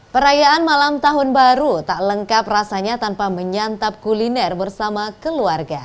perayaan malam tahun baru tak lengkap rasanya tanpa menyantap kuliner bersama keluarga